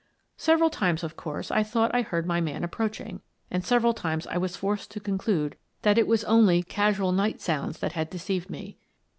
Several times, of course, I thought I heard my man approaching, and several times I was forced to conclude that it was only casual night sounds that had deceived me.